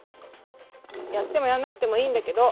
やってもやんなくてもいいんだけど。